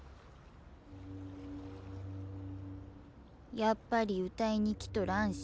やっぱり歌いに来とらんし。